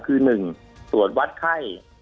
คือหนึ่งตรวจวัดไข้